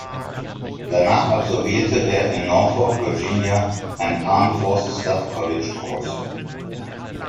Danach absolvierte er in Norfolk, Virginia, einen "Armed Forces Staff College Course".